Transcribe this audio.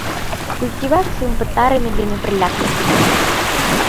— Культивацийым пытарыме дене пырляк лектына.